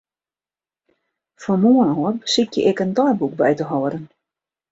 Fan moarn ôf besykje ik in deiboek by te hâlden.